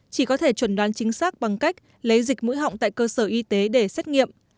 chỉ có thể chuẩn đoán chính xác bằng cách lấy dịch mũi họng tại cơ sở y tế để xét nghiệm